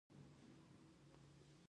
د افغاني ډرامو بازار شته؟